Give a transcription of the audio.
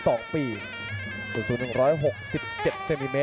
สวัสดิ์นุ่มสตึกชัยโลธสวัสดิ์